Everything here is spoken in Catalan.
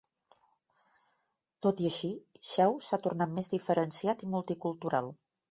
Tot i així, Shaw s'ha tornat més diferenciat i multicultural.